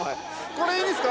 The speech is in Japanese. これいいですか？